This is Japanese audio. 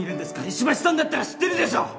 石橋さんだったら知ってるでしょ！？